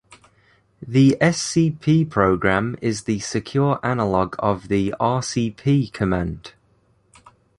The scp program is the secure analog of the rcp command.